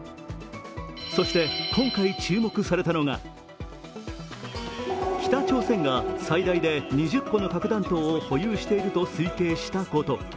そして今回注目されたのが北朝鮮が最大で２０個の核弾頭を保有していると推計したこと。